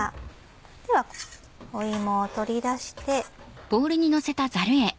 では芋を取り出して。